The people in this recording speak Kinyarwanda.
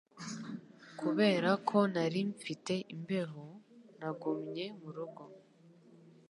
Kubera ko nari mfite imbeho, nagumye murugo.